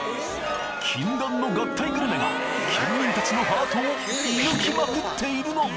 禁断の合体グルメが県民達のハートを射貫きまくっているのだ！